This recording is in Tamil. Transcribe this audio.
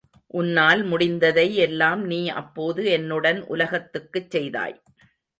உன்னால் முடிந்ததை எல்லாம் நீ அப்போது என்னுடன் உலகத்துக்குச் செய்தாய்.